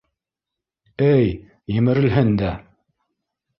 Эй, емерелһен дә!